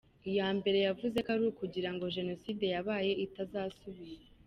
Iya mbere yavuze ko ari ukugira ngo Jenoside yabaye itazasubira.